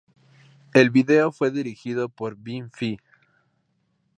El video fue dirigido por Ben Fee.